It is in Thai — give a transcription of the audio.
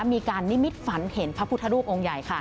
มีการนิมิตฝันเห็นพระพุทธรูปองค์ใหญ่